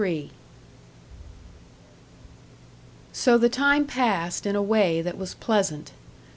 SECTION 23. So the time passed in a way that was pleasant.